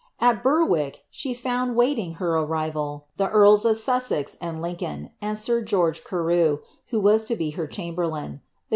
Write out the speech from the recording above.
At Berwick, she found wailing her arrival, the earls of Sussex wi Lincoln, and sir George Carew, who was to be her chamberlain, iKi?